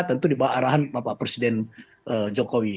tentu dibawa ke arahan pak presiden jokowi